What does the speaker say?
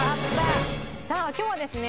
さあ今日はですね